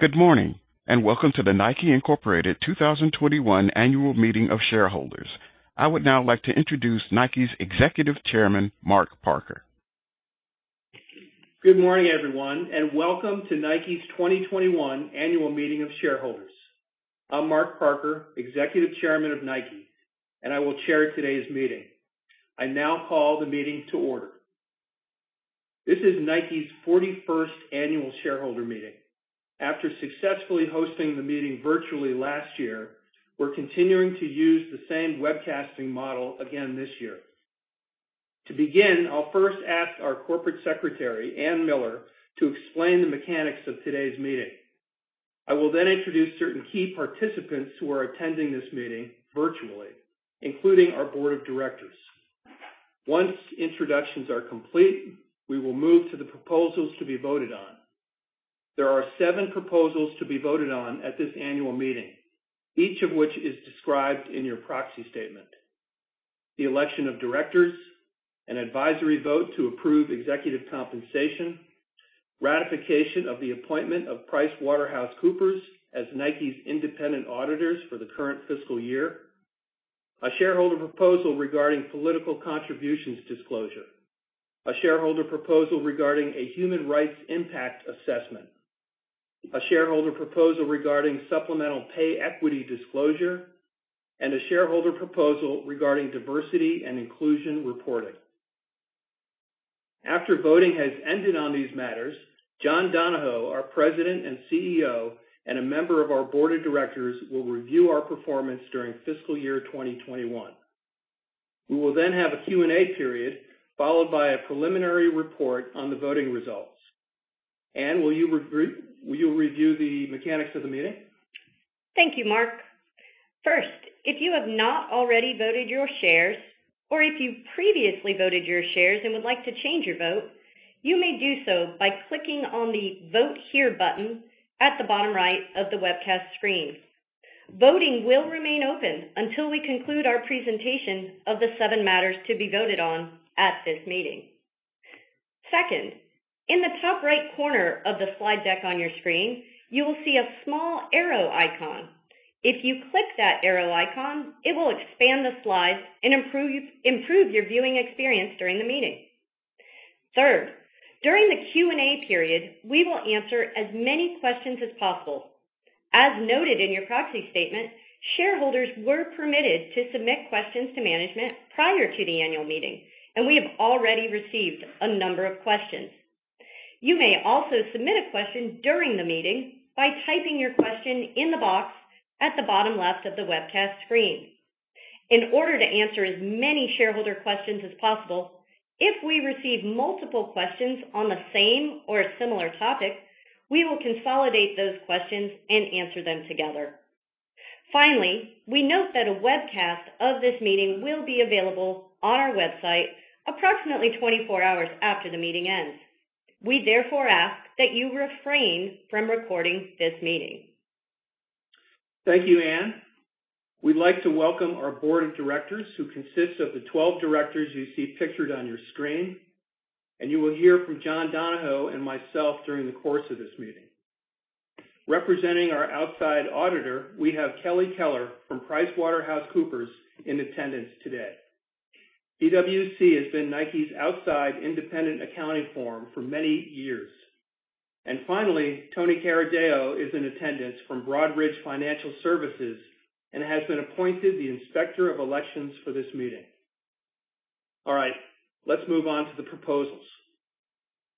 Good morning, welcome to the Nike, Inc. 2021 annual meeting of shareholders. I would now like to introduce Nike's Executive Chairman, Mark Parker. Good morning, everyone. Welcome to Nike's 2021 annual meeting of shareholders. I'm Mark Parker, Executive Chairman of Nike, and I will chair today's meeting. I now call the meeting to order. This is Nike's 41st annual shareholder meeting. After successfully hosting the meeting virtually last year, we're continuing to use the same webcasting model again this year. To begin, I'll first ask our Corporate Secretary, Ann Miller, to explain the mechanics of today's meeting. I will introduce certain key participants who are attending this meeting virtually, including our board of directors. Once introductions are complete, we will move to the proposals to be voted on. There are seven proposals to be voted on at this annual meeting, each of which is described in your proxy statement. The election of directors, an advisory vote to approve executive compensation, ratification of the appointment of PricewaterhouseCoopers as Nike's independent auditors for the current fiscal year, a shareholder proposal regarding political contributions disclosure, a shareholder proposal regarding a human rights impact assessment, a shareholder proposal regarding supplemental pay equity disclosure, and a shareholder proposal regarding diversity and inclusion reporting. After voting has ended on these matters, John Donahoe, our President and CEO, and a member of our Board of Directors, will review our performance during fiscal year 2021. We will have a Q&A period followed by a preliminary report on the voting results. Ann, will you review the mechanics of the meeting? Thank you, Mark. First, if you have not already voted your shares, or if you previously voted your shares and would like to change your vote, you may do so by clicking on the Vote Here button at the bottom right of the webcast screen. Voting will remain open until we conclude our presentation of the seven matters to be voted on at this meeting. Second, in the top right corner of the slide deck on your screen, you will see a small arrow icon. If you click that arrow icon, it will expand the slides and improve your viewing experience during the meeting. Third, during the Q&A period, we will answer as many questions as possible. As noted in your proxy statement, shareholders were permitted to submit questions to management prior to the annual meeting. We have already received a number of questions. You may also submit a question during the meeting by typing your question in the box at the bottom left of the webcast screen. In order to answer as many shareholder questions as possible, if we receive multiple questions on the same or a similar topic, we will consolidate those questions and answer them together. Finally, we note that a webcast of this meeting will be available on our website approximately 24 hours after the meeting ends. We therefore ask that you refrain from recording this meeting. Thank you, Ann. We'd like to welcome our Board of Directors, who consists of the 12 directors you see pictured on your screen, and you will hear from John Donahoe and myself during the course of this meeting. Representing our outside auditor, we have Kelly Keller from PricewaterhouseCoopers in attendance today. PwC has been Nike's outside independent accounting firm for many years. Finally, Tony Carideo is in attendance from Broadridge Financial Services and has been appointed the Inspector of Elections for this meeting. All right. Let's move on to the proposals.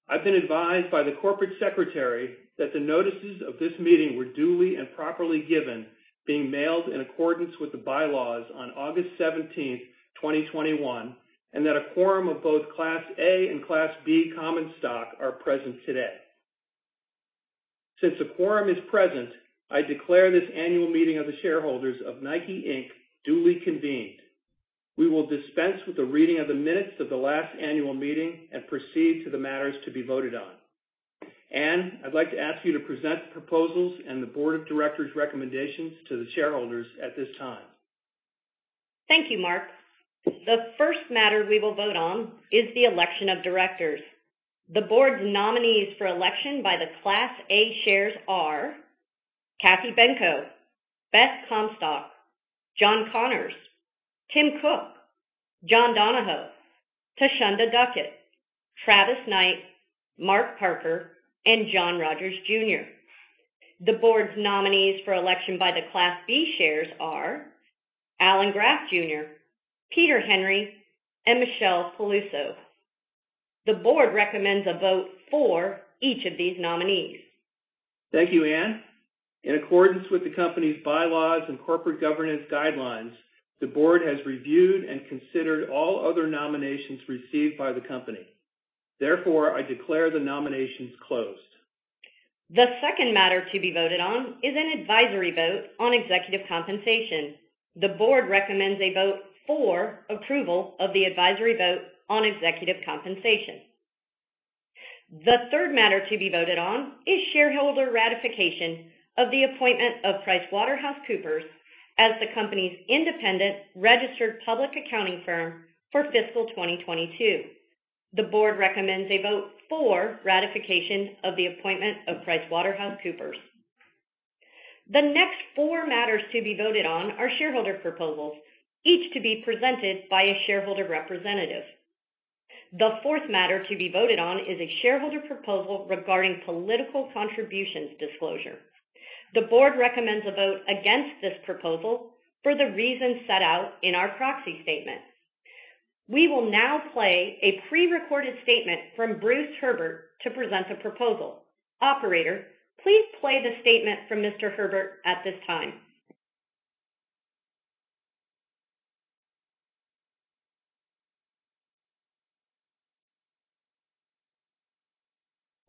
I've been advised by the corporate secretary that the notices of this meeting were duly and properly given, being mailed in accordance with the bylaws on August 17th, 2021, and that a quorum of both Class A and Class B common stock are present today. Since a quorum is present, I declare this annual meeting of the shareholders of Nike, Inc., duly convened. We will dispense with the reading of the minutes of the last annual meeting and proceed to the matters to be voted on. Ann, I'd like to ask you to present the proposals and the Board of Directors' recommendations to the shareholders at this time. Thank you, Mark. The first matter we will vote on is the election of Directors. The board's nominees for election by the Class A shares are Cathleen Benko, Beth Comstock, John Connors, Tim Cook, John Donahoe, Thasunda Duckett, Travis Knight, Mark Parker, and John Rogers, Jr. The board's nominees for election by the Class B shares are Alan Graf, Jr., Peter Henry, and Michelle Peluso. The board recommends a vote for each of these nominees. Thank you, Ann. In accordance with the company's bylaws and corporate governance guidelines, the board has reviewed and considered all other nominations received by the company. I declare the nominations closed. The second matter to be voted on is an advisory vote on executive compensation. The board recommends a vote for approval of the advisory vote on executive compensation. The third matter to be voted on is shareholder ratification of the appointment of PricewaterhouseCoopers as the company's independent registered public accounting firm for fiscal 2022. The board recommends a vote for ratification of the appointment of PricewaterhouseCoopers. The next four matters to be voted on are shareholder proposals, each to be presented by a shareholder representative. The fourth matter to be voted on is a shareholder proposal regarding political contributions disclosure. The board recommends a vote against this proposal for the reasons set out in our proxy statement. We will now play a pre-recorded statement from Bruce Herbert to present the proposal. Operator, please play the statement from Mr. Herbert at this time.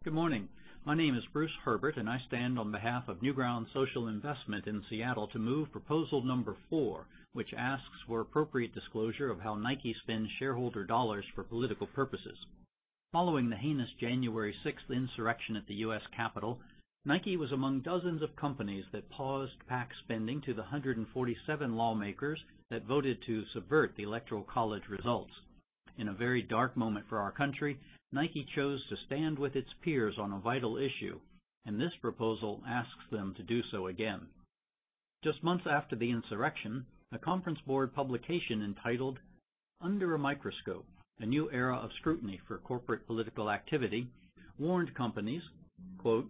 Good morning. My name is Bruce Herbert. I stand on behalf of Newground Social Investment in Seattle to move proposal number 4, which asks for appropriate disclosure of how Nike spends shareholder dollars for political purposes. Following the heinous January 6th insurrection at the U.S. Capitol, Nike was among dozens of companies that paused PAC spending to the 147 lawmakers that voted to subvert the Electoral College results. In a very dark moment for our country, Nike chose to stand with its peers on a vital issue. This proposal asks them to do so again. Just months after the insurrection, a Conference Board publication entitled "Under a Microscope: A New Era of Scrutiny for Corporate Political Activity" warned companies, quote,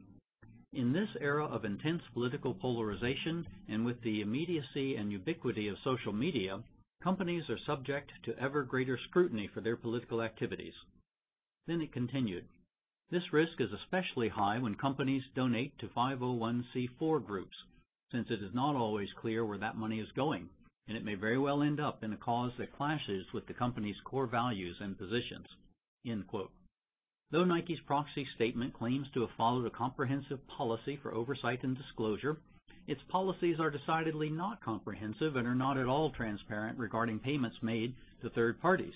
"In this era of intense political polarization and with the immediacy and ubiquity of social media, companies are subject to ever-greater scrutiny for their political activities." Then it continued, "This risk is especially high when companies donate to 501(c)(4) groups, since it is not always clear where that money is going, and it may very well end up in a cause that clashes with the company's core values and positions." End quote. Though Nike's proxy statement claims to have followed a comprehensive policy for oversight and disclosure, its policies are decidedly not comprehensive and are not at all transparent regarding payments made to third parties.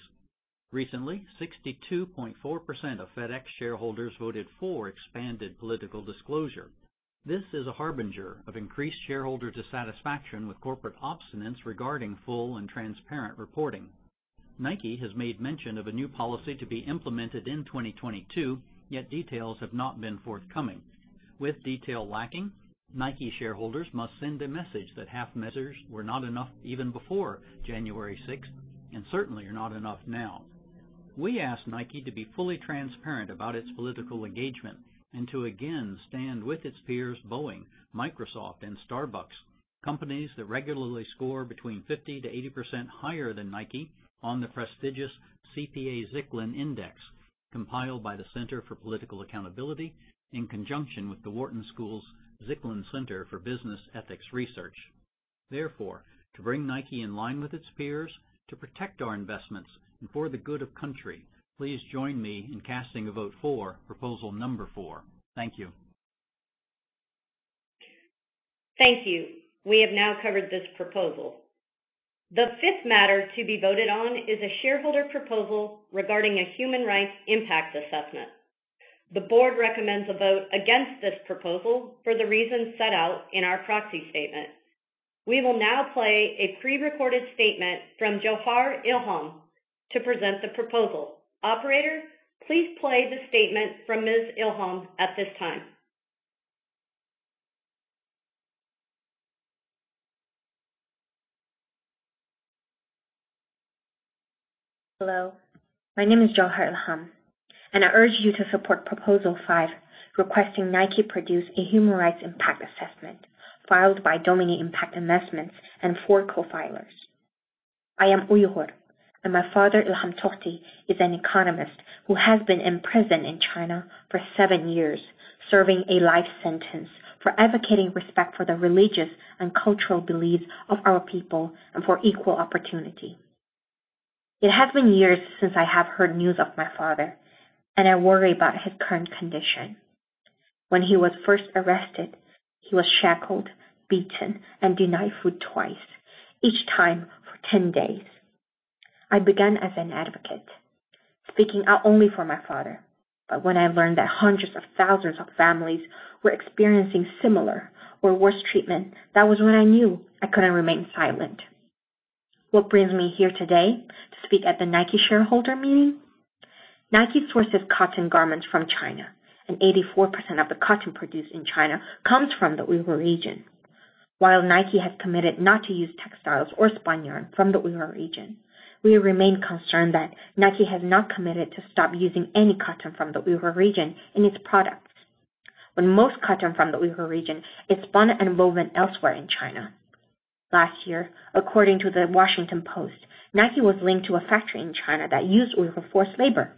Recently, 62.4% of FedEx shareholders voted for expanded political disclosure. This is a harbinger of increased shareholder dissatisfaction with corporate obstinance regarding full and transparent reporting. Nike has made mention of a new policy to be implemented in 2022, yet details have not been forthcoming. With detail lacking, Nike shareholders must send a message that half measures were not enough even before January 6th, and certainly are not enough now. We ask Nike to be fully transparent about its political engagement and to again stand with its peers, Boeing, Microsoft, and Starbucks, companies that regularly score between 50%-80% higher than Nike on the prestigious CPA-Zicklin Index, compiled by the Center for Political Accountability in conjunction with the Wharton School's Zicklin Center for Business Ethics Research. Therefore, to bring Nike in line with its peers, to protect our investments, and for the good of the country, please join me in casting a vote for proposal number 4. Thank you. Thank you. We have now covered this proposal. The fifth matter to be voted on is a shareholder proposal regarding a human rights impact assessment. The board recommends a vote against this proposal for the reasons set out in our proxy statement. We will now play a pre-recorded statement from Jewher Ilham to present the proposal. Operator, please play the statement from Ms. Ilham at this time. Hello, my name is Jewher Ilham, and I urge you to support proposal 5, requesting Nike produce a human rights impact assessment filed by Domini Impact Investments and four co-filers. I am Uyghur, and my father, Ilham Tohti, is an economist who has been imprisoned in China for seven years, serving a life sentence for advocating respect for the religious and cultural beliefs of our people and for equal opportunity. It has been years since I have heard news of my father, and I worry about his current condition. When he was first arrested, he was shackled, beaten, and denied food twice, each time for 10 days. I began as an advocate, speaking out only for my father. But when I learned that hundreds of thousands of families were experiencing similar or worse treatment, that was when I knew I couldn't remain silent. What brings me here today to speak at the Nike shareholder meeting? Nike sources cotton garments from China, and 84% of the cotton produced in China comes from the Uyghur region. While Nike has committed not to use textiles or spun yarn from the Uyghur region, we remain concerned that Nike has not committed to stop using any cotton from the Uyghur region in its products. When most cotton from the Uyghur region is spun and woven elsewhere in China. Last year, according to The Washington Post, Nike was linked to a factory in China that used Uyghur forced labor.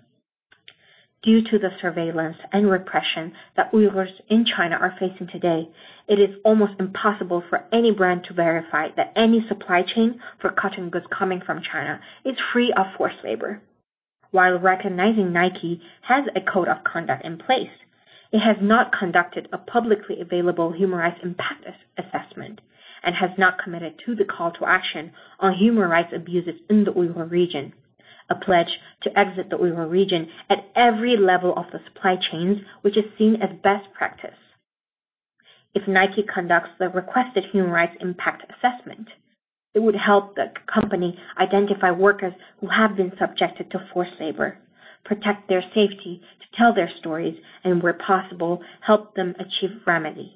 Due to the surveillance and repression that Uyghurs in China are facing today, it is almost impossible for any brand to verify that any supply chain for cotton goods coming from China is free of forced labor. While recognizing Nike has a code of conduct in place, it has not conducted a publicly available human rights impact assessment and has not committed to the call to action on human rights abuses in the Uyghur region. A pledge to exit the Uyghur region at every level of the supply chains, which is seen as best practice. If Nike conducts the requested human rights impact assessment, it would help the company identify workers who have been subjected to forced labor, protect their safety, to tell their stories, and, where possible, help them achieve remedies.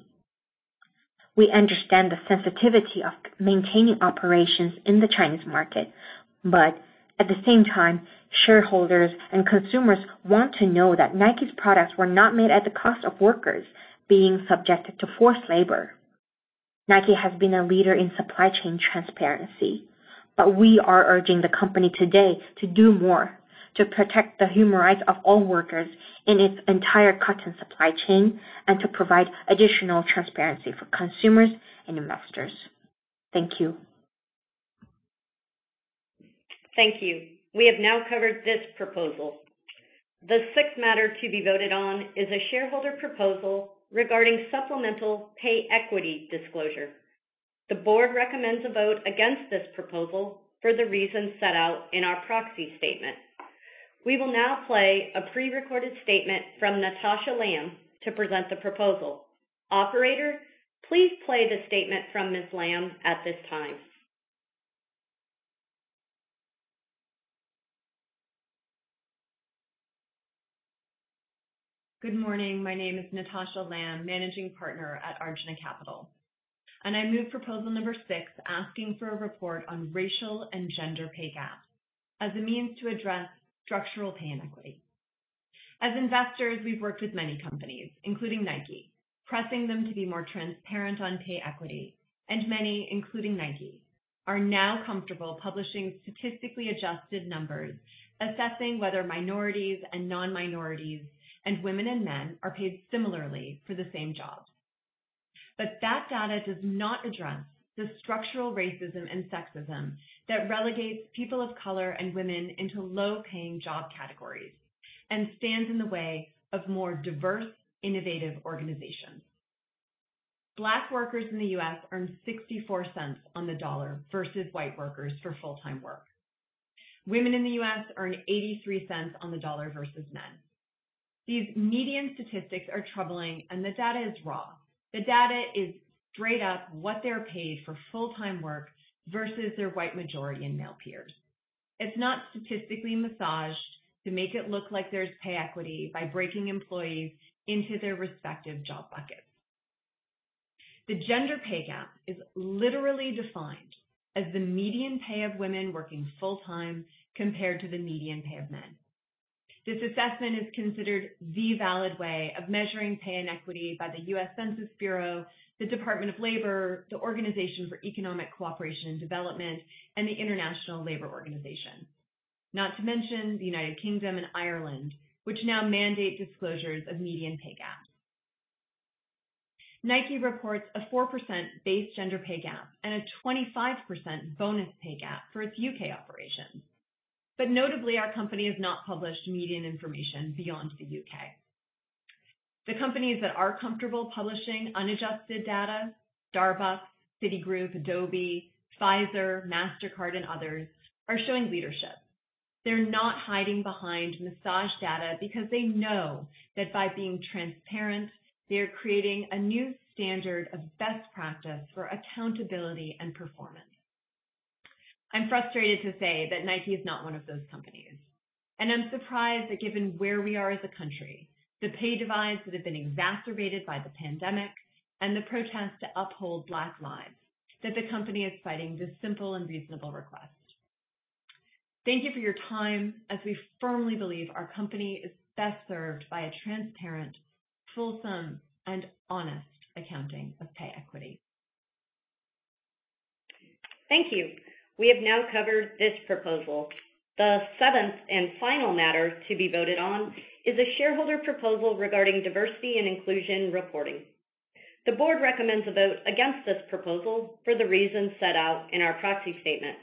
At the same time, shareholders and consumers want to know that Nike's products were not made at the cost of workers being subjected to forced labor. Nike has been a leader in supply chain transparency. We are urging the company today to do more to protect the human rights of all workers in its entire cotton supply chain and to provide additional transparency for consumers and investors. Thank you. Thank you. We have now covered this proposal. The sixth matter to be voted on is a shareholder proposal regarding supplemental pay equity disclosure. The board recommends a vote against this proposal for the reasons set out in our proxy statement. We will now play a pre-recorded statement from Natasha Lamb to present the proposal. Operator, please play the statement from Ms. Lamb at this time. Good morning. My name is Natasha Lamb, Managing Partner at Arjuna Capital. I move proposal number 6, asking for a report on racial and gender pay gap as a means to address structural pay inequity. As investors, we've worked with many companies, including Nike, pressing them to be more transparent on pay equity. Many, including Nike, are now comfortable publishing statistically adjusted numbers assessing whether minorities and non-minorities and women and men are paid similarly for the same jobs. That data does not address the structural racism and sexism that relegate people of color and women into low-paying job categories and stand in the way of more diverse, innovative organizations. Black workers in the U.S. earn $0.64 on the dollar versus white workers for full-time work. Women in the U.S. earn $0.83 on the dollar versus men. These median statistics are troubling, and the data is raw. The data is straight up what they're paid for full-time work versus their white majority and male peers. It's not statistically massaged to make it look like there's pay equity by breaking employees into their respective job buckets. The gender pay gap is literally defined as the median pay of women working full-time compared to the median pay of men. This assessment is considered the valid way of measuring pay inequity by the U.S. Census Bureau, the Department of Labor, the Organisation for Economic Co-operation and Development, and the International Labour Organization, not to mention the U.K. and Ireland, which now mandate disclosures of median pay gaps. Nike reports a 4% base gender pay gap and a 25% bonus pay gap for its U.K. operations. Notably, our company has not published median information beyond the U.K. The companies that are comfortable publishing unadjusted data, Starbucks, Citigroup, Adobe, Pfizer, Mastercard, and others, are showing leadership. They're not hiding behind massaged data because they know that by being transparent, they are creating a new standard of best practice for accountability and performance. I'm frustrated to say that Nike is not one of those companies, and I'm surprised that, given where we are as a country, the pay divides that have been exacerbated by the pandemic and the protests to uphold Black lives, that the company is fighting this simple and reasonable request. Thank you for your time, as we firmly believe our company is best served by a transparent, fulsome, and honest accounting of pay equity. Thank you. We have now covered this proposal. The seventh and final matter to be voted on is a shareholder proposal regarding diversity and inclusion reporting. The board recommends a vote against this proposal for the reasons set out in our proxy statement.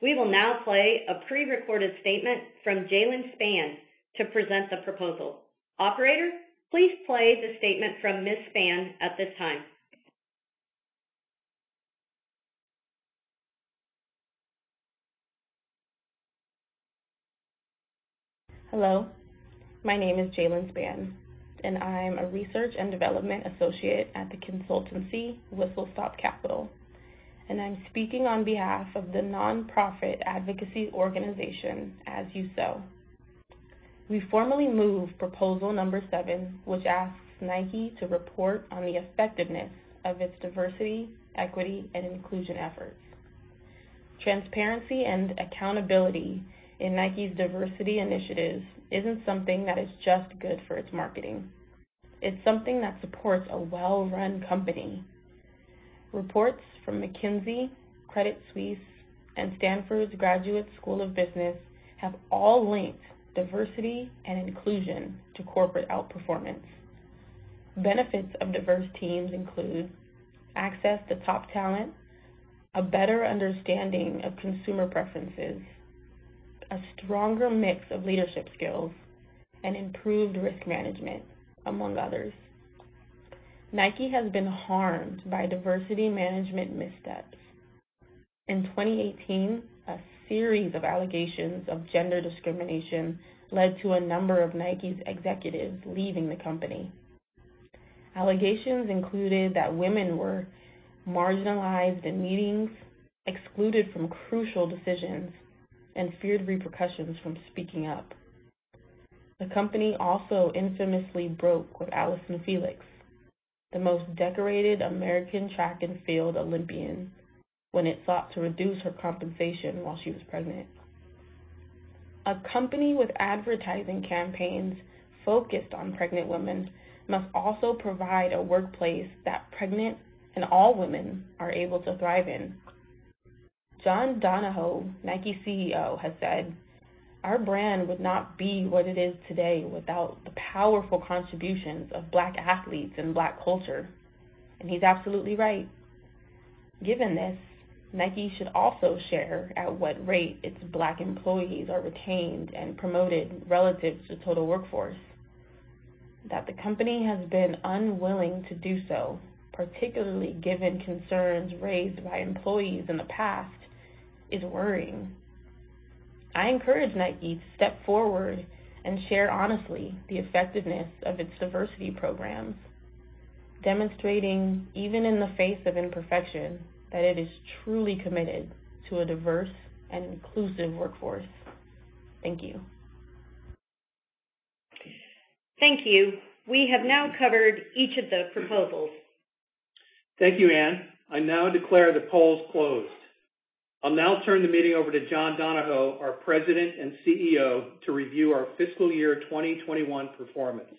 We will now play a pre-recorded statement from Jaylen Spann to present the proposal. Operator, please play the statement from Ms. Spann at this time. Hello, my name is Jaylen Spann, and I'm a Research and Development Associate at the consultancy Whistlestop Capital, and I'm speaking on behalf of the nonprofit advocacy organization As You Sow. We formally move proposal number 7, which asks Nike to report on the effectiveness of its diversity, equity, and inclusion efforts. Transparency and accountability in Nike's diversity initiatives isn't something that is just good for its marketing. It's something that supports a well-run company. Reports from McKinsey, Credit Suisse, and Stanford's Graduate School of Business have all linked diversity and inclusion to corporate outperformance. Benefits of diverse teams include access to top talent, a better understanding of consumer preferences, a stronger mix of leadership skills, and improved risk management, among others. Nike has been harmed by diversity management missteps. In 2018, a series of allegations of gender discrimination led to a number of Nike's executives leaving the company. Allegations included that women were marginalized in meetings, excluded from crucial decisions, and feared repercussions from speaking up. The company also infamously broke with Allyson Felix, the most decorated American track and field Olympian, when it sought to reduce her compensation while she was pregnant. A company with advertising campaigns focused on pregnant women must also provide a workplace that pregnant and all women are able to thrive in. John Donahoe, Nike's CEO, has said, "Our brand would not be what it is today without the powerful contributions of Black athletes and Black culture." He's absolutely right. Given this, Nike should also share at what rate its Black employees are retained and promoted relative to the total workforce. That the company has been unwilling to do so, particularly given concerns raised by employees in the past, is worrying. I encourage Nike to step forward and share honestly the effectiveness of its diversity programs, demonstrating even in the face of imperfection that it is truly committed to a diverse and inclusive workforce. Thank you. Thank you. We have now covered each of the proposals. Thank you, Anne. I now declare the polls closed. I'll now turn the meeting over to John Donahoe, our President and CEO, to review our fiscal year 2021 performance.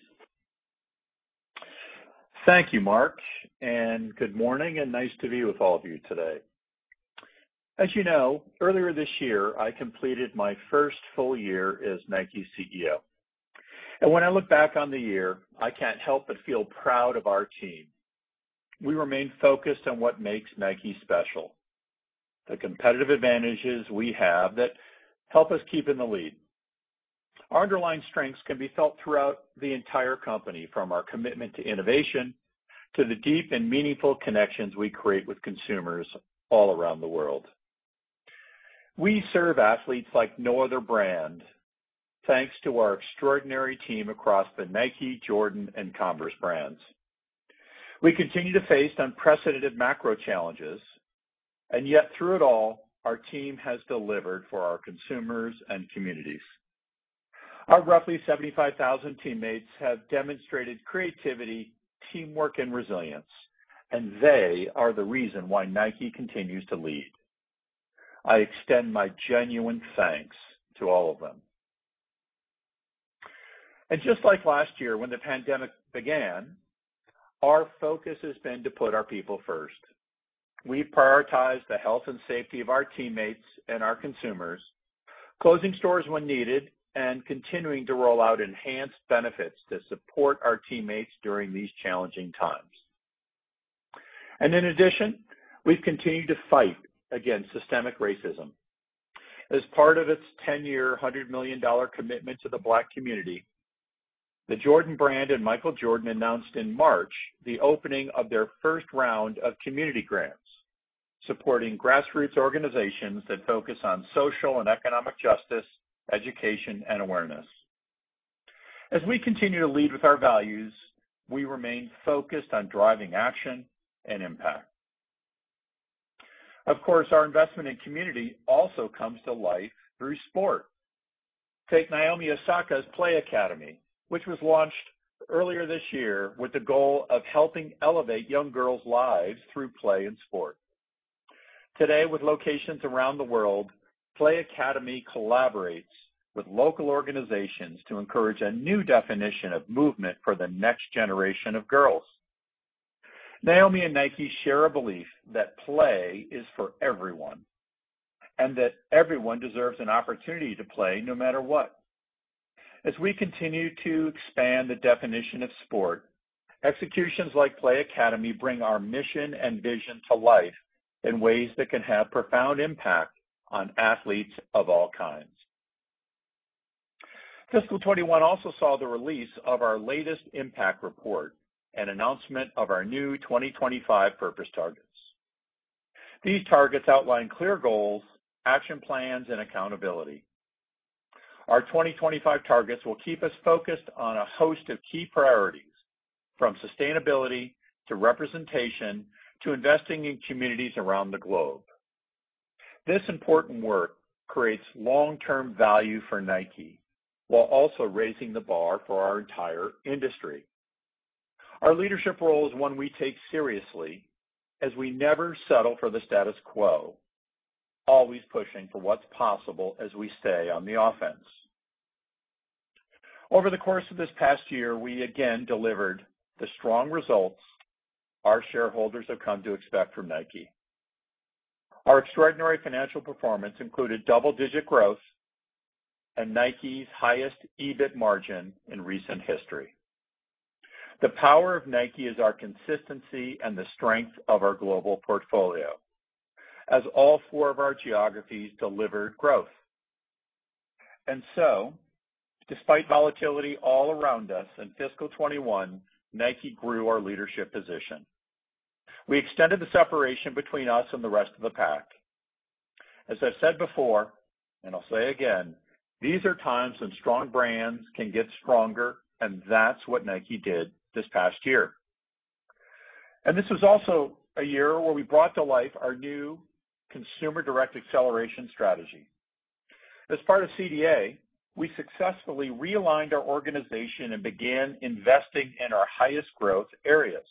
Thank you, Mark. Good morning, and nice to be with all of you today. As you know, earlier this year, I completed my first full year as Nike's CEO. When I look back on the year, I can't help but feel proud of our team. We remain focused on what makes Nike special, the competitive advantages we have that help us keep in the lead. Our underlying strengths can be felt throughout the entire company, from our commitment to innovation to the deep and meaningful connections we create with consumers all around the world. We serve athletes like no other brand, thanks to our extraordinary team across the Nike, Jordan, and Converse brands. We continue to face unprecedented macro challenges, yet through it all, our team has delivered for our consumers and communities. Our roughly 75,000 teammates have demonstrated creativity, teamwork, and resilience. They are the reason why Nike continues to lead. I extend my genuine thanks to all of them. Just like last year when the pandemic began, our focus has been to put our people first. We prioritize the health and safety of our teammates and our consumers, closing stores when needed, and continuing to roll out enhanced benefits to support our teammates during these challenging times. In addition, we've continued to fight against systemic racism. As part of its 10-year, $100 million commitment to the Black community, the Jordan Brand and Michael Jordan announced in March the opening of their first round of community grants, supporting grassroots organizations that focus on social and economic justice, education, and awareness. As we continue to lead with our values, we remain focused on driving action and impact. Of course, our investment in community also comes to life through sport. Take Naomi Osaka's Play Academy, which was launched earlier this year with the goal of helping elevate young girls' lives through play and sport. Today, with locations around the world, Play Academy collaborates with local organizations to encourage a new definition of movement for the next generation of girls. Naomi and Nike share a belief that play is for everyone, and that everyone deserves an opportunity to play, no matter what. As we continue to expand the definition of sport, executions like Play Academy bring our mission and vision to life in ways that can have a profound impact on athletes of all kinds. Fiscal 2021 also saw the release of our latest impact report and announcement of our new 2025 purpose targets. These targets outline clear goals, action plans, and accountability. Our 2025 targets will keep us focused on a host of key priorities from sustainability to representation to investing in communities around the globe. This important work creates long-term value for Nike while also raising the bar for our entire industry. Our leadership role is one we take seriously as we never settle for the status quo, always pushing for what's possible as we stay on the offense. Over the course of this past year, we again delivered the strong results our shareholders have come to expect from Nike. Our extraordinary financial performance included double-digit growth and Nike's highest EBIT margin in recent history. The power of Nike is our consistency and the strength of our global portfolio, as all four of our geographies delivered growth. Despite volatility all around us in fiscal 2021, Nike grew our leadership position. We extended the separation between the rest of the pack and us. As I've said before, and I'll say again, these are times when strong brands can get stronger, and that's what Nike did this past year. This was also a year where we brought to life our new Consumer-Direct Acceleration strategy. As part of CDA, we successfully realigned our organization and began investing in our highest growth areas.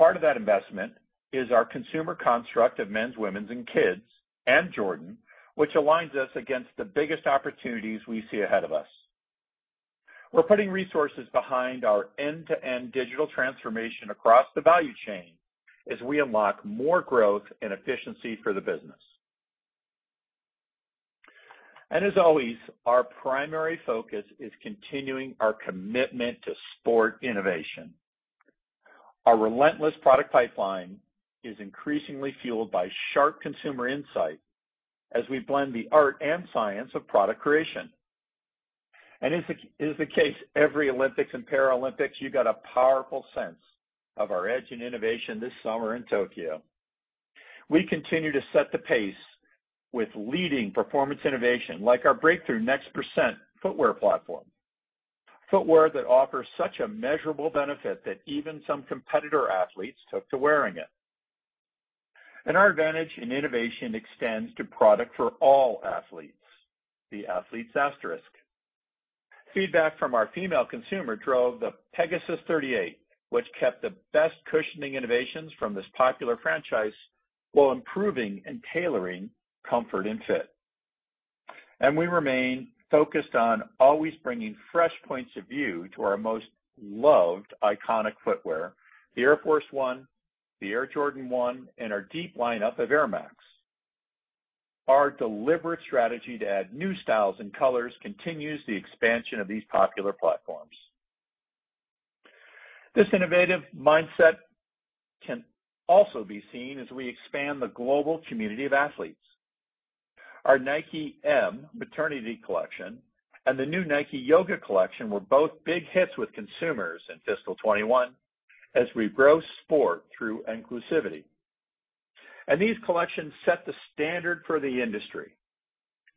Part of that investment is our consumer construct of men's, women's, and kids, and Jordan, which aligns us against the biggest opportunities we see ahead of us. We're putting resources behind our end-to-end digital transformation across the value chain as we unlock more growth and efficiency for the business. As always, our primary focus is continuing our commitment to sport innovation. Our relentless product pipeline is increasingly fueled by sharp consumer insight as we blend the art and science of product creation. As is the case every Olympics and Paralympics, you got a powerful sense of our edge in innovation this summer in Tokyo. We continue to set the pace with leading performance innovation, like our breakthrough NEXT% footwear platform. Footwear that offers such a measurable benefit that even some competitor athletes took to wearing it. Our advantage in innovation extends to products for all athletes, the athletes asterisk. Feedback from our female consumers drove the Pegasus 38, which kept the best cushioning innovations from this popular franchise, while improving and tailoring comfort and fit. We remain focused on always bringing fresh points of view to our most loved iconic footwear, the Air Force 1, the Air Jordan 1, and our deep lineup of Air Max. Our deliberate strategy to add new styles and colors continues the expansion of these popular platforms. This innovative mindset can also be seen as we expand the global community of athletes. Our Nike (M) maternity collection and the new Nike Yoga collection were both big hits with consumers in fiscal 2021, as we grow sport through inclusivity. These collections set the standard for the industry,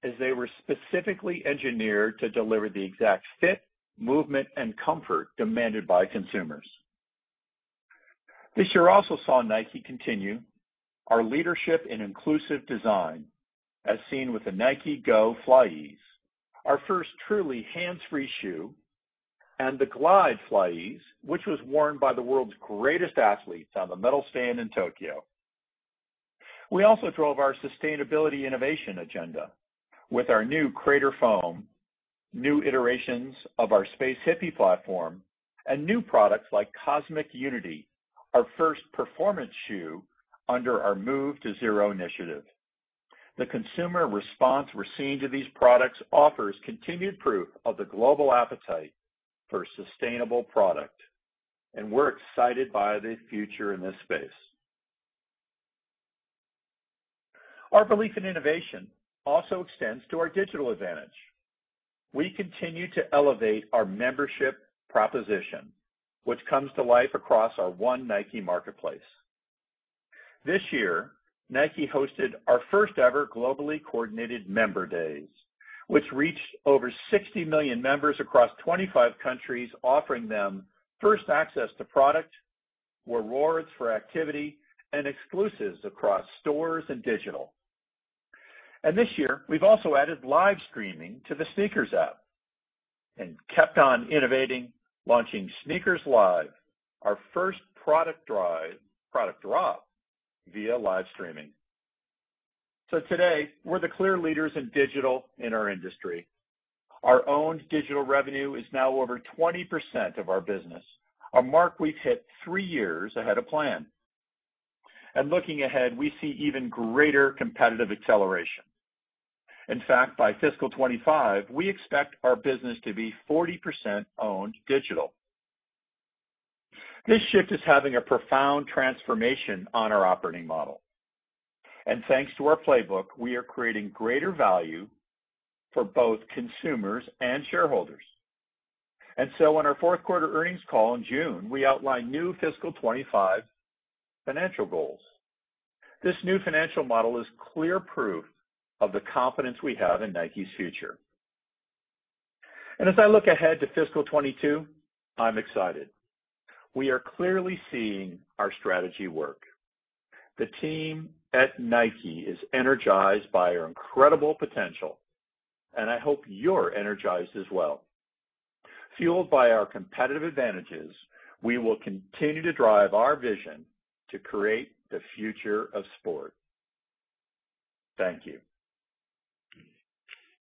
as they were specifically engineered to deliver the exact fit, movement, and comfort demanded by consumers. This year also saw Nike continue our leadership in inclusive design, as seen with the Nike Go FlyEase, our first truly hands-free shoe, and the Nike Glide FlyEase, which was worn by the world's greatest athletes on the medal stand in Tokyo. We also drove our sustainability innovation agenda with our new Crater Foam, new iterations of our Space Hippie platform, and new products like Cosmic Unity, our first performance shoe under our Move to Zero initiative. The consumer response we're seeing to these products offers continued proof of the global appetite for sustainable products, and we're excited by the future in this space. Our belief in innovation also extends to our digital advantage. We continue to elevate our membership proposition, which comes to life across our One Nike Marketplace. This year, Nike hosted our first-ever globally coordinated member days, which reached over 60 million members across 25 countries, offering them first access to product, rewards for activity, and exclusives across stores and digital. This year, we've also added live streaming to the SNKRS app and kept on innovating, launching SNKRS Live, our first product drop via live streaming. Today, we're the clear leaders in digital in our industry. Our owned digital revenue is now over 20% of our business, a mark we've hit three years ahead of plan. Looking ahead, we see even greater competitive acceleration. In fact, by fiscal 2025, we expect our business to be 40% owned digital. This shift is having a profound transformation on our operating model. Thanks to our playbook, we are creating greater value for both consumers and shareholders. On our fourth quarter earnings call in June, we outlined new fiscal 2025 financial goals. This new financial model is clear proof of the confidence we have in Nike's future. As I look ahead to fiscal 2022, I'm excited. We are clearly seeing our strategy work. The team at Nike is energized by our incredible potential, and I hope you're energized as well. Fueled by our competitive advantages, we will continue to drive our vision to create the future of sport. Thank you.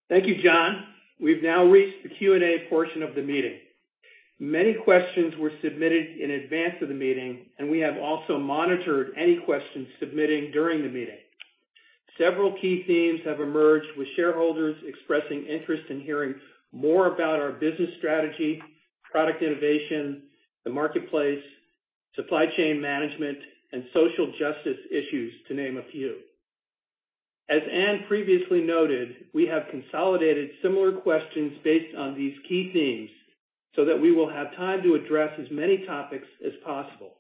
Thank you, John. We've now reached the Q&A portion of the meeting. Many questions were submitted in advance of the meeting, and we have also monitored any questions submitted during the meeting. Several key themes have emerged with shareholders expressing interest in hearing more about our business strategy, product innovation, the marketplace, supply chain management, and social justice issues, to name a few. As Ann previously noted, we have consolidated similar questions based on these key themes so that we will have time to address as many topics as possible.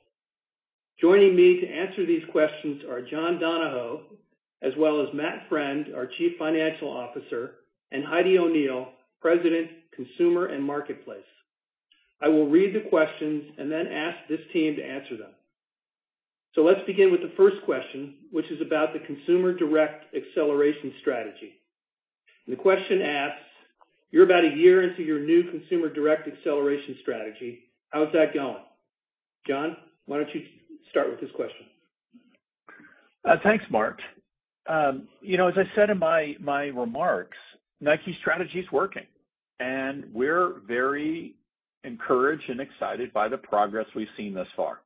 Joining me to answer these questions are John Donahoe, as well as Matt Friend, our Chief Financial Officer, and Heidi O'Neill, President, Consumer and Marketplace. I will read the questions and then ask this team to answer them. Let's begin with the first question, which is about the Consumer Direct Acceleration strategy. The question asks, "You're about a year into your new Consumer Direct Acceleration strategy. How is that going?" John, why don't you start with this question? Thanks, Mark. As I said in my remarks, Nike's strategy is working. We're very encouraged and excited by the progress we've seen thus far.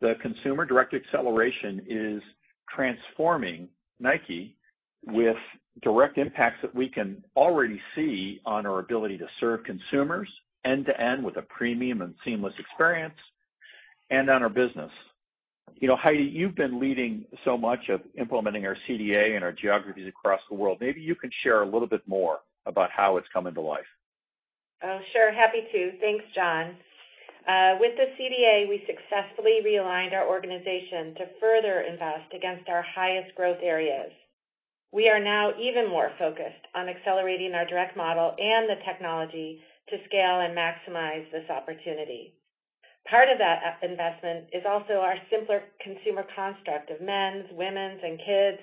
The Consumer Direct Acceleration is transforming Nike with direct impacts that we can already see on our ability to serve consumers end-to-end with a premium and seamless experience and on our business. Heidi, you've been leading so much of implementing our CDA in our geographies across the world. Maybe you can share a little bit more about how it's coming to life. Sure. Happy to. Thanks, John. With the CDA, we successfully realigned our organization to further invest against our highest growth areas. We are now even more focused on accelerating our direct model and the technology to scale and maximize this opportunity. Part of that investment is also our simpler consumer construct of men's, women's, and kids,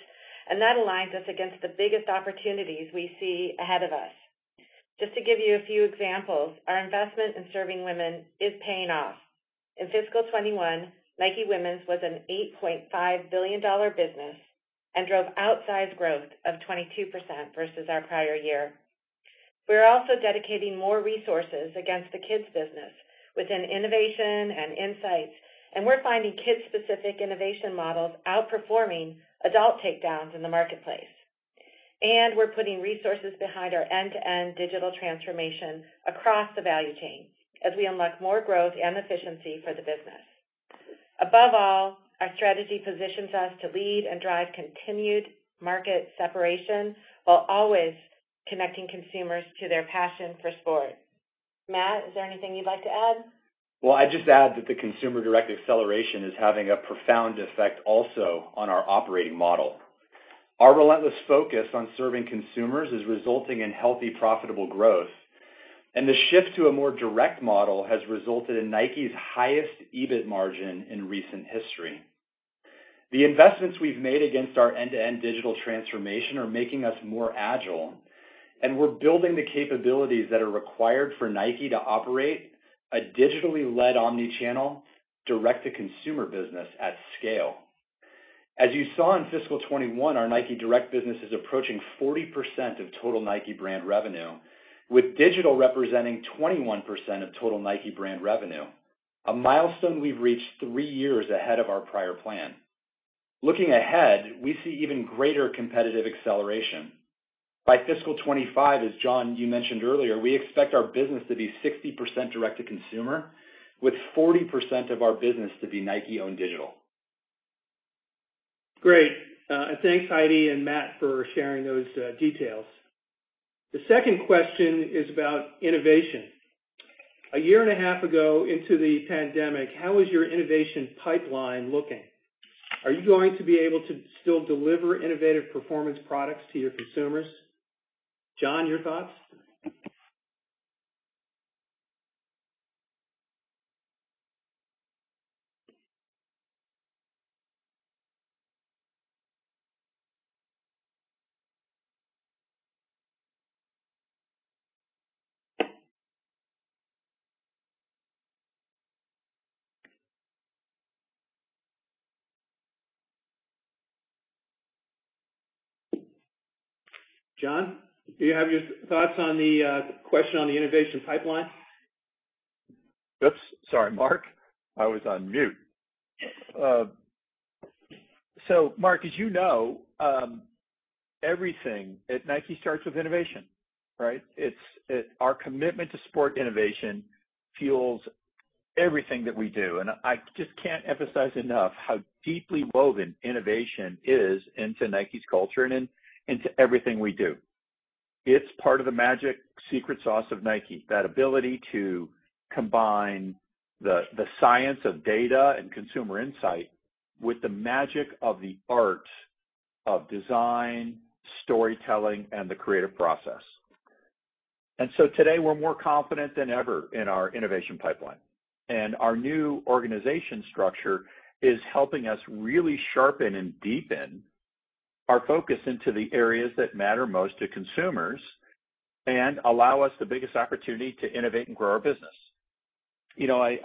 and that aligns us against the biggest opportunities we see ahead of us. Just to give you a few examples, our investment in serving women is paying off. In fiscal 2021, Nike Women's was an $8.5 billion business and drove outsized growth of 22% versus our prior year. We're also dedicating more resources against the kids business within innovation and insights, and we're finding kids-specific innovation models outperforming adult takedowns in the marketplace. We're putting resources behind our end-to-end digital transformation across the value chain as we unlock more growth and efficiency for the business. Above all, our strategy positions us to lead and drive continued market separation while always connecting consumers to their passion for sport. Matt, is there anything you'd like to add? Well, I'd just add that the consumer-direct acceleration is having a profound effect also on our operating model. Our relentless focus on serving consumers is resulting in healthy, profitable growth. The shift to a more direct model has resulted in Nike's highest EBIT margin in recent history. The investments we've made against our end-to-end digital transformation are making us more agile, and we're building the capabilities that are required for Nike to operate a digitally led omni-channel, direct-to-consumer business at scale. As you saw in fiscal 2021, our Nike direct business is approaching 40% of total Nike brand revenue, with digital representing 21% of total Nike brand revenue, a milestone we've reached three years ahead of our prior plan. Looking ahead, we see even greater competitive acceleration. By fiscal 2025, as John, you mentioned earlier, we expect our business to be 60% direct to consumer, with 40% of our business to be Nike-owned digital. Great. Thanks, Heidi and Matt, for sharing those details. The second question is about innovation. A year and a half ago into the pandemic, how is your innovation pipeline looking? Are you going to be able to still deliver innovative performance products to your consumers? John, your thoughts? John, do you have your thoughts on the question on the innovation pipeline? Oops, sorry, Mark. I was on mute. Mark, as you know, everything at Nike starts with innovation, right? Our commitment to sport innovation fuels everything that we do. I just can't emphasize enough how deeply woven innovation is into Nike's culture and into everything we do. It's part of the magic secret sauce of Nike, that ability to combine the science of data and consumer insight with the magic of the art of design, storytelling, and the creative process. Today, we're more confident than ever in our innovation pipeline. Our new organization structure is helping us really sharpen and deepen our focus into the areas that matter most to consumers and allows us the biggest opportunity to innovate and grow our business.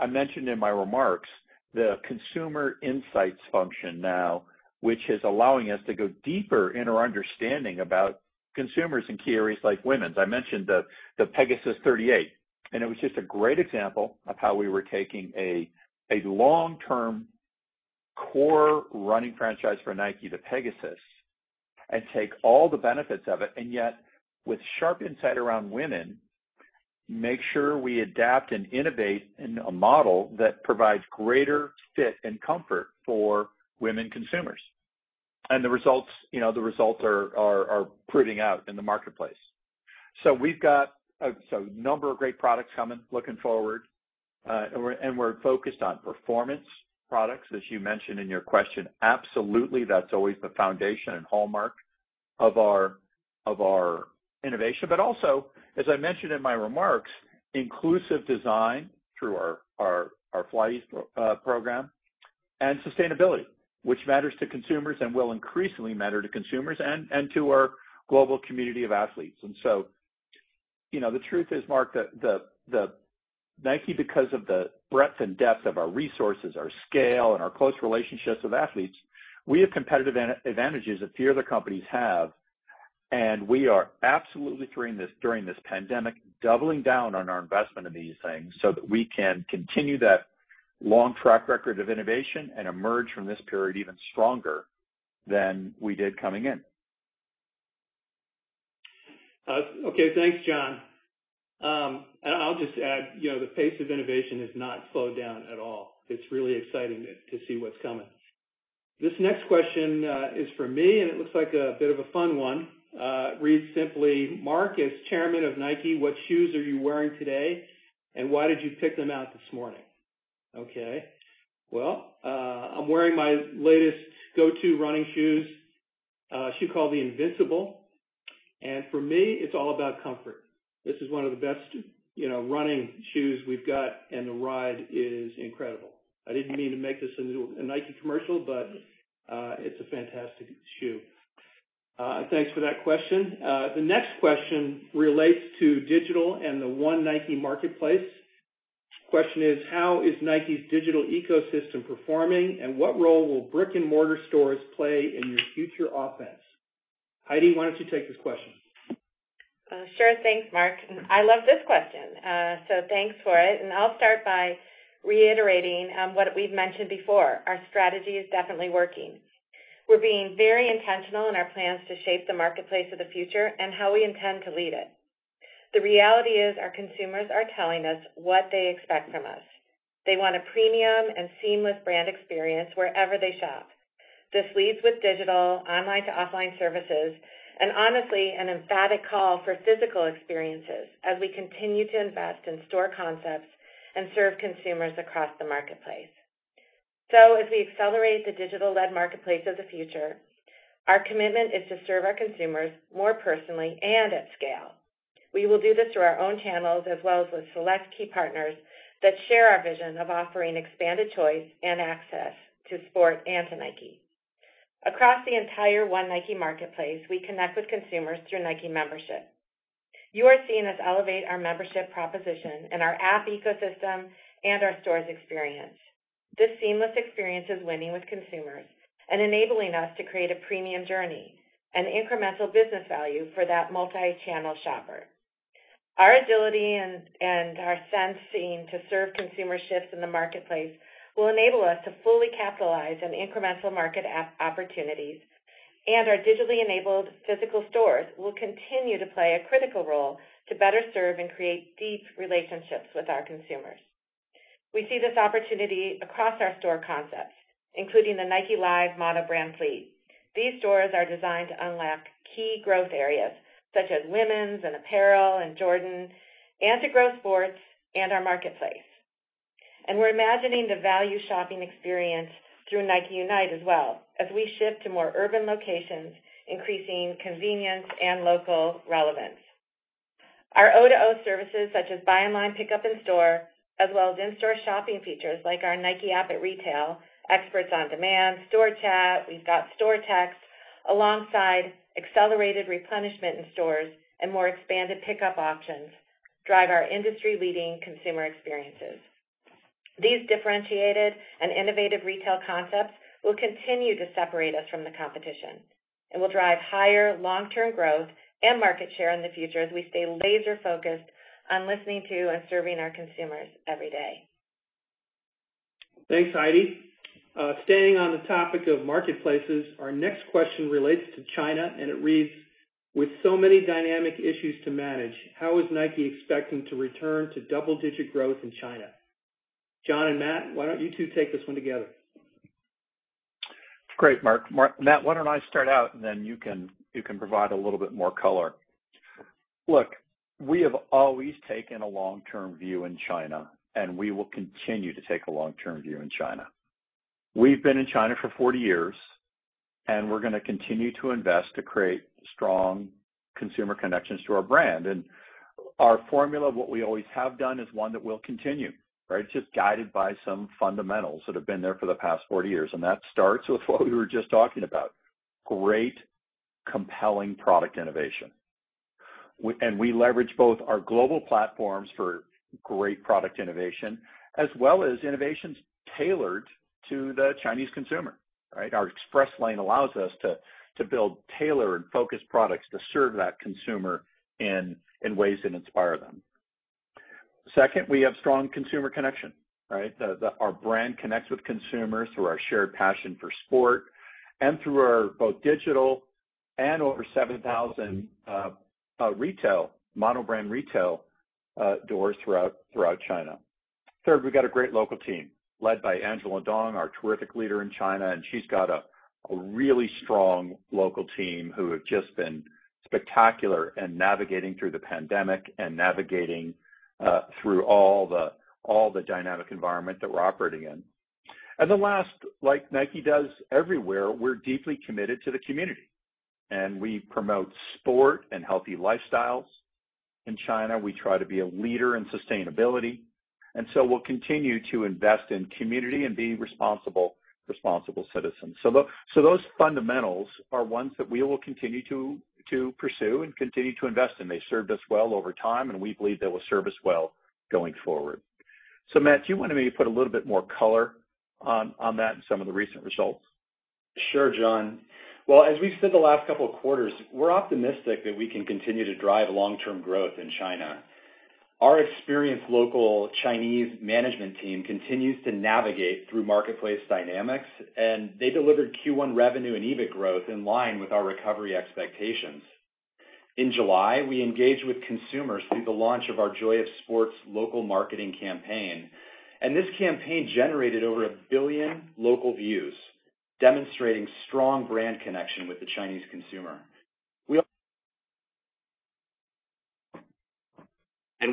I mentioned in my remarks the consumer insights function now, which is allowing us to go deeper in our understanding about consumers in key areas like Nike Women's. I mentioned the Nike Air Zoom Pegasus 38. It was just a great example of how we were taking a long-term core running franchise for Nike, the Pegasus, and take all the benefits of it, yet with sharp insight around women, make sure we adapt and innovate in a model that provides greater fit and comfort for women consumers. The results are proving out in the marketplace. We've got a number of great products coming, looking forward, and we're focused on performance products, as you mentioned in your question. Absolutely, that's always the foundation and hallmark of our innovation. As I mentioned in my remarks, inclusive design through our FlyEase program and sustainability, which matters to consumers, and will increasingly matter to consumers and to our global community of athletes. The truth is, Mark, that Nike, because of the breadth and depth of our resources, our scale, and our close relationships with athletes, we have competitive advantages that few other companies have, and we are absolutely, during this pandemic, doubling down on our investment in these things so that we can continue that long track record of innovation and emerge from this period even stronger than we did coming in. Okay. Thanks, John. I'll just add that the pace of innovation has not slowed down at all. It's really exciting to see what's coming. This next question is for me. It looks like a bit of a fun one. Reads simply, "Mark, as Chairman of Nike, what shoes are you wearing today, and why did you pick them out this morning?" Okay. Well, I'm wearing my latest go-to running shoes, a shoe called the Invincible. For me, it's all about comfort. This is one of the best running shoes we've got. The ride is incredible. I didn't mean to make this a little Nike commercial. It's a fantastic shoe. Thanks for that question. The next question relates to digital and the One Nike Marketplace. Question is, "How is Nike's digital ecosystem performing, and what role will brick-and-mortar stores play in your future offense?" Heidi, why don't you take this question? Sure. Thanks, Mark. I love this question, thanks for it. I'll start by reiterating what we've mentioned before. Our strategy is definitely working. We're being very intentional in our plans to shape the marketplace of the future and how we intend to lead it. The reality is, our consumers are telling us what they expect from us. They want a premium and seamless brand experience wherever they shop. This leads with digital, online to offline services, honestly, an emphatic call for physical experiences as we continue to invest in store concepts and serve consumers across the marketplace. As we accelerate the digital-led marketplace of the future, our commitment is to serve our consumers more personally and at scale. We will do this through our own channels as well as with select key partners that share our vision of offering expanded choice and access to sport and to Nike. Across the entire One Nike Marketplace, we connect with consumers through Nike membership. You are seeing us elevate our membership proposition in our app ecosystem and our store experience. This seamless experience is winning with consumers and enabling us to create a premium journey and incremental business value for that multi-channel shopper. Our agility and our sensing to serve consumer shifts in the marketplace will enable us to fully capitalize on incremental market opportunities, and our digitally enabled physical stores will continue to play a critical role to better serve and create deep relationships with our consumers. We see this opportunity across our store concepts, including the Nike Live mono brand fleet. These stores are designed to unlock key growth areas such as women's and apparel, and Jordan, to grow sports and our marketplace. We're imagining the value shopping experience through Nike Unite as well as we shift to more urban locations, increasing convenience and local relevance. Our O2O services, such as buy online, pickup in store, as well as in-store shopping features like our Nike App at Retail, experts on demand, store chat, we've got store text alongside accelerated replenishment in stores, and more expanded pickup options, drive our industry-leading consumer experiences. These differentiated and innovative retail concepts will continue to separate us from the competition and will drive higher long-term growth and market share in the future as we stay laser-focused on listening to and serving our consumers every day. Thanks, Heidi. Staying on the topic of marketplaces, our next question relates to China. It reads, "With so many dynamic issues to manage, how is Nike expecting to return to double-digit growth in China?" John and Matt, why don't you two take this one together? Great, Mark. Matt, why don't I start out, and then you can provide a little bit more color? Look, we have always taken a long-term view in China. We will continue to take a long-term view in China. We've been in China for 40 years. We're going to continue to invest to create strong consumer connections to our brand. Our formula, what we have always done, is one that will continue, right? Just guided by some fundamentals that have been there for the past 40 years. That starts with what we were just talking about, great, compelling product innovation. We leverage both our global platforms for great product innovation as well as innovations tailored to the Chinese consumer, right? Our Express Lane allows us to build tailored, focused products to serve that consumer in ways that inspire them. Second, we have a strong consumer connection, right? Our brand connects with consumers through our shared passion for sport and through our both digital and over 7,000 mono-brand retail doors throughout China. Third, we've got a great local team led by Angela Dong, our terrific leader in China, and she's got a really strong local team who have just been spectacular in navigating through the pandemic and navigating through all the dynamic environment that we're operating in. The last, like Nike does everywhere, we're deeply committed to the community, and we promote sport and healthy lifestyles. In China, we try to be a leader in sustainability, and so we'll continue to invest in community and be responsible citizens. Those fundamentals are ones that we will continue to pursue and continue to invest in. They served us well over time, and we believe they will serve us well going forward. Matt, do you want to maybe put a little bit more color on that and some of the recent results? Sure, John. Well, as we've said the last couple of quarters, we're optimistic that we can continue to drive long-term growth in China. Our experienced local Chinese management team continues to navigate through marketplace dynamics, they delivered Q1 revenue and EBIT growth in line with our recovery expectations. In July, we engaged with consumers through the launch of our Joy of Sports local marketing campaign, this campaign generated over 1 billion local views, demonstrating a strong brand connection with the Chinese consumer.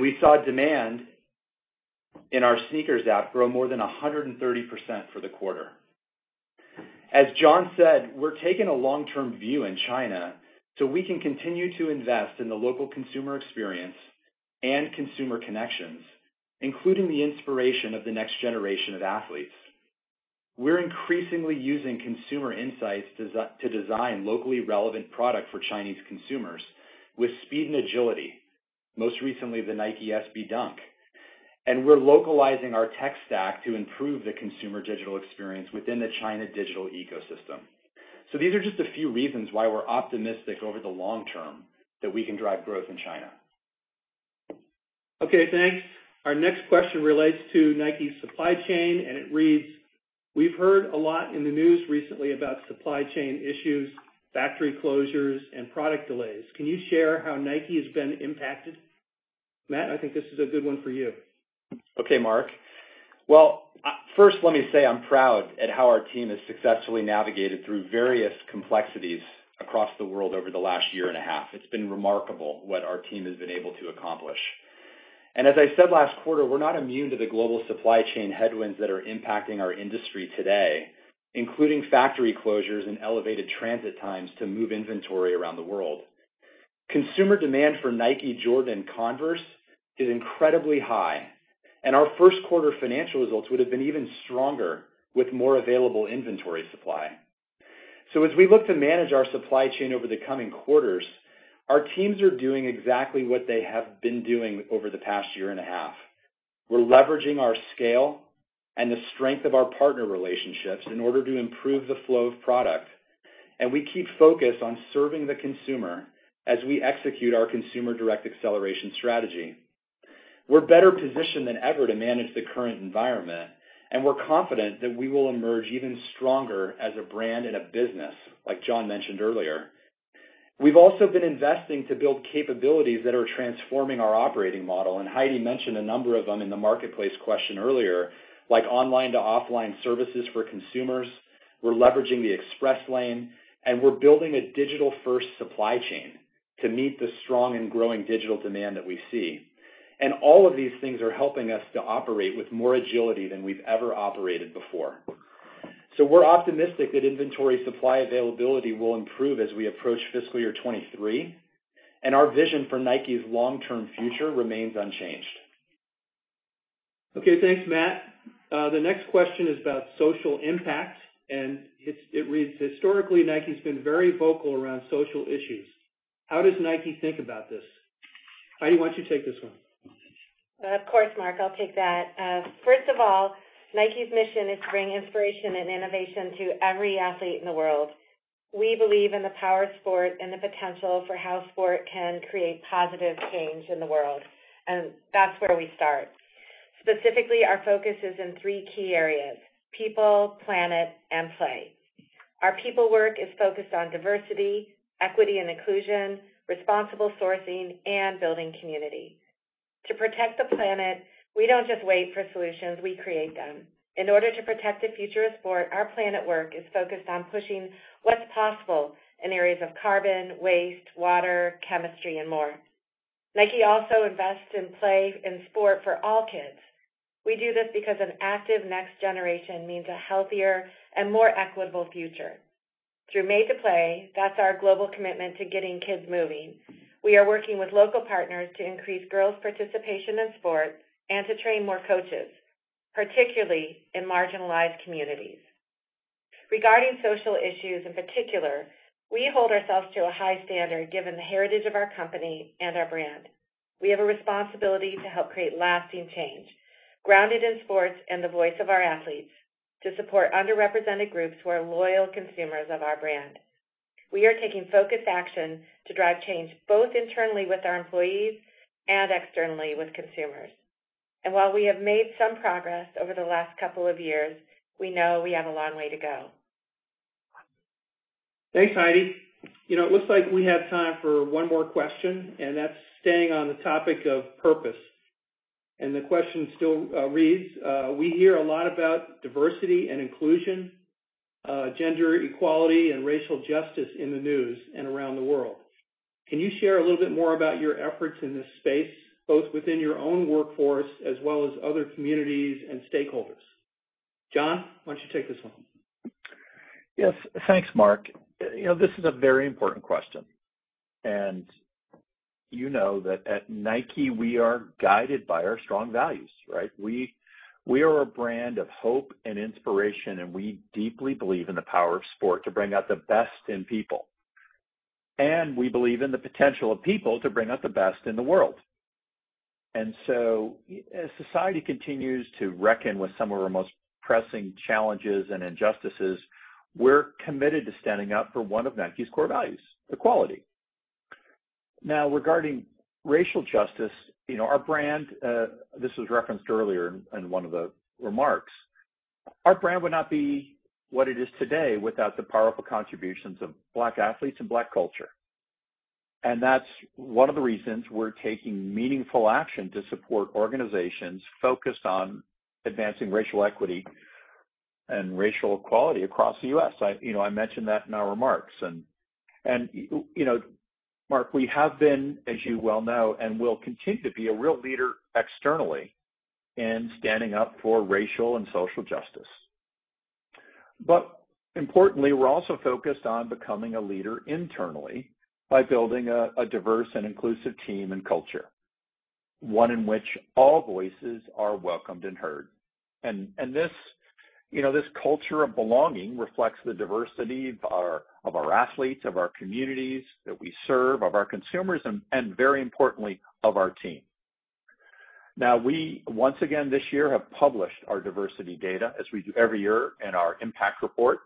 We saw demand in our SNKRS app grow more than 130% for the quarter. As John said, we're taking a long-term view in China so we can continue to invest in the local consumer experience and consumer connections, including the inspiration of the next generation of athletes. We're increasingly using consumer insights to design locally relevant products for Chinese consumers with speed and agility, most recently, the Nike SB Dunk. We're localizing our tech stack to improve the consumer digital experience within the China digital ecosystem. These are just a few reasons why we're optimistic over the long term that we can drive growth in China. Okay, thanks. Our next question relates to Nike's supply chain, and it reads: We've heard a lot in the news recently about supply chain issues, factory closures, and product delays. Can you share how Nike has been impacted? Matt, I think this is a good one for you. Okay, Mark. Well, first, let me say I'm proud at how our team has successfully navigated through various complexities across the world over the last year and a half. It's been remarkable what our team has been able to accomplish. As I said last quarter, we're not immune to the global supply chain headwinds that are impacting our industry today, including factory closures and elevated transit times to move inventory around the world. Consumer demand for Nike, Jordan, and Converse is incredibly high, and our first quarter financial results would've been even stronger with more available inventory supply. As we look to manage our supply chain over the coming quarters, our teams are doing exactly what they have been doing over the past year and a half. We're leveraging our scale and the strength of our partner relationships in order to improve the flow of product. We keep focused on serving the consumer as we execute our Consumer Direct Acceleration strategy. We're better positioned than ever to manage the current environment. We're confident that we will emerge even stronger as a brand and a business, like John mentioned earlier. We've also been investing to build capabilities that are transforming our operating model. Heidi mentioned a number of them in the marketplace question earlier, like online-to-offline services for consumers. We're leveraging the Express Lane. We're building a digital-first supply chain to meet the strong and growing digital demand that we see. All of these things are helping us to operate with more agility than we've ever operated before. We're optimistic that inventory supply availability will improve as we approach fiscal year 2023, and our vision for Nike's long-term future remains unchanged. Okay, thanks, Matt. The next question is about social impact. It reads: Historically, Nike's been very vocal around social issues. How does Nike think about this? Heidi, why don't you take this one? Of course, Mark, I'll take that. First of all, Nike's mission is to bring inspiration and innovation to every athlete in the world. We believe in the power of sport and the potential for how sport can create positive change in the world. That's where we start. Specifically, our focus is in three key areas: people, planet, and play. Our people work is focused on diversity, equity, and inclusion, responsible sourcing, and building community. To protect the planet, we don't just wait for solutions; we create them. In order to protect the future of sport, our planet work is focused on pushing what's possible in areas of carbon, waste, water, chemistry, and more. Nike also invests in play and sport for all kids. We do this because an active next generation means a healthier and more equitable future. Through Made to Play, that's our global commitment to getting kids moving. We are working with local partners to increase girls' participation in sport and to train more coaches, particularly in marginalized communities. Regarding social issues in particular, we hold ourselves to a high standard given the heritage of our company and our brand. We have a responsibility to help create lasting change, grounded in sports and the voice of our athletes, to support underrepresented groups who are loyal consumers of our brand. We are taking focused action to drive change both internally with our employees and externally with consumers. While we have made some progress over the last couple of years, we know we have a long way to go. Thanks, Heidi. It looks like we have time for one more question, and that's staying on the topic of purpose. The question still reads: We hear a lot about diversity and inclusion, gender equality, and racial justice in the news and around the world. Can you share a little bit more about your efforts in this space, both within your own workforce as well as other communities and stakeholders? John, why don't you take this one? Yes, thanks, Mark. This is a very important question. You know that at Nike, we are guided by our strong values, right? We are a brand of hope and inspiration. We deeply believe in the power of sport to bring out the best in people. We believe in the potential of people to bring out the best in the world. As society continues to reckon with some of our most pressing challenges and injustices, we're committed to standing up for one of Nike's core values, equality. Now, regarding racial justice, our brand, this was referenced earlier in one of the remarks. Our brand would not be what it is today without the powerful contributions of Black athletes and Black culture. That's one of the reasons we're taking meaningful action to support organizations focused on advancing racial equity and racial equality across the U.S. I mentioned that in our remarks. Mark, we have been, as you well know, and will continue to be a real leader externally in standing up for racial and social justice. Importantly, we're also focused on becoming a leader internally by building a diverse and inclusive team and culture, one in which all voices are welcomed and heard. This culture of belonging reflects the diversity of our athletes, of our communities that we serve, of our consumers, and, very importantly, of our team. Now, we, once again this year, have published our diversity data as we do every year in our impact report,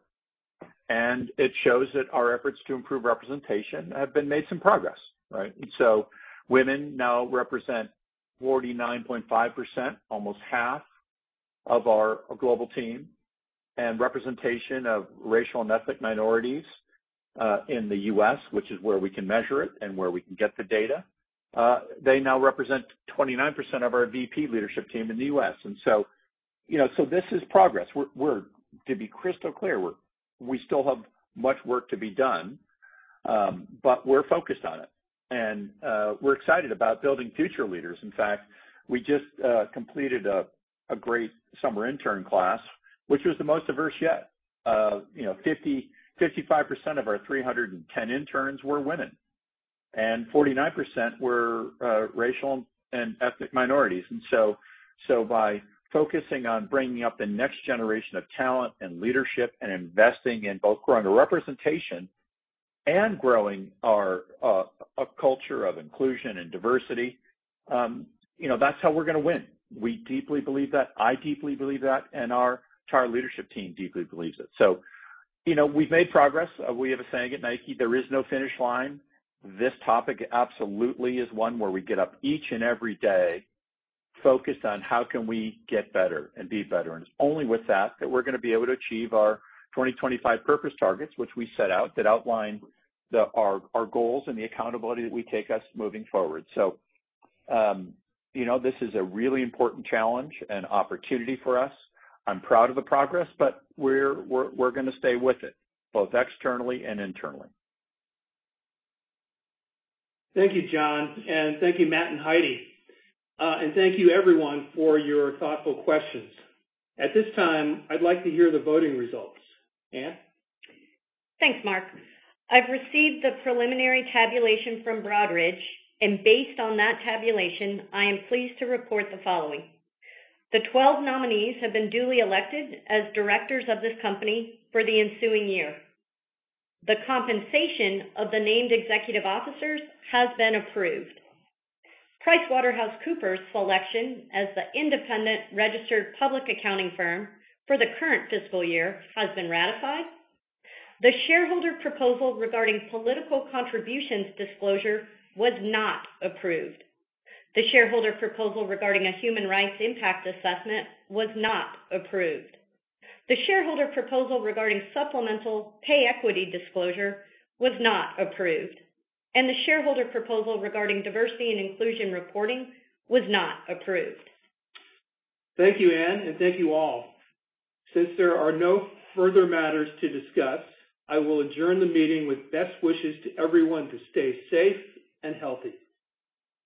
and it shows that our efforts to improve representation have been made some progress, right? Women now represent 49.5%, almost half of our global team. Representation of racial and ethnic minorities in the U.S., which is where we can measure it and where we can get the data, they now represent 29% of our VP leadership team in the U.S. This is progress. To be crystal clear, we still have much work to be done, but we're focused on it. We're excited about building future leaders. In fact, we just completed a great summer intern class, which was the most diverse yet. 55% of our 310 interns were women, and 49% were racial and ethnic minorities. By focusing on bringing up the next generation of talent and leadership and investing in both growing the representation and growing our culture of inclusion and diversity, that's how we're going to win. We deeply believe that, I deeply believe that, and our entire leadership team deeply believes it. We've made progress. We have a saying at Nike, "There is no finish line." This topic absolutely is one where we get up each and every day focused on how can we get better and be better. It's only with that we're going to be able to achieve our 2025 purpose targets, which we set out to outline our goals and the accountability that we take us moving forward. This is a really important challenge and opportunity for us. I'm proud of the progress, but we're going to stay with it both externally and internally. Thank you, John, and thank you, Matt and Heidi. Thank you, everyone, for your thoughtful questions. At this time, I'd like to hear the voting results. Ann? Thanks, Mark. I've received the preliminary tabulation from Broadridge, and based on that tabulation, I am pleased to report the following. The 12 nominees have been duly elected as Directors of this company for the ensuing year. The compensation of the named executive officers has been approved. PricewaterhouseCoopers' selection as the independent registered public accounting firm for the current fiscal year has been ratified. The shareholder proposal regarding political contributions disclosure was not approved. The shareholder proposal regarding a human rights impact assessment was not approved. The shareholder proposal regarding supplemental pay equity disclosure was not approved, and the shareholder proposal regarding diversity and inclusion reporting was not approved. Thank you, Ann, and thank you all. Since there are no further matters to discuss, I will adjourn the meeting with best wishes to everyone to stay safe and healthy.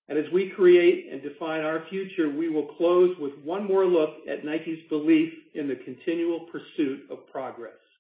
As we create and define our future, we will close with one more look at Nike's belief in the continual pursuit of progress.